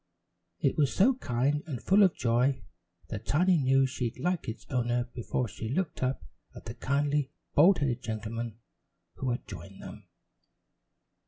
It was so kind, and full of joy that Tiny knew she'd like its owner before she looked up at the kindly, bald headed gentleman who had joined them.